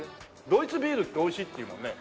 ドイツビールって美味しいっていうもんね。